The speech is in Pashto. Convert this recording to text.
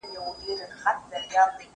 سبزیجات د مور له خوا جمع کيږي!.